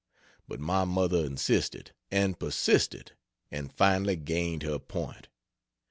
But my mother insisted, and persisted; and finally gained her point.